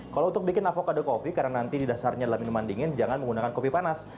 kalau untuk bikin avocado kopi karena nanti di dasarnya adalah minuman dingin jangan menggunakan kopi panas